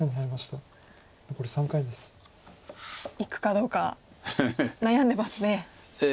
いくかどうか悩んでますね。